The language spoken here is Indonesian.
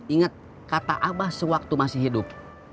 ingat kata abah sewaktu masih hidup